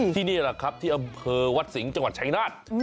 นี่แหละครับที่อำเภอวัดสิงห์จังหวัดชายนาฏ